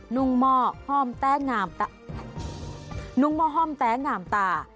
ุ่งหม้อห้อมแต้งามนุ่งหม้อห้อมแต๊ะงามตา